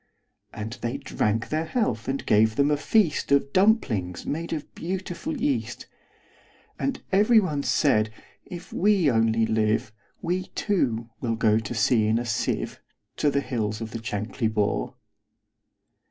And they drank their health, and gave them a feastOf dumplings made of beautiful yeast; And every one said, "If we only live, We, too, will go to sea in a sieve, To the hills of the Chankly Bore."